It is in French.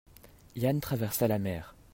Yann traversa la mer.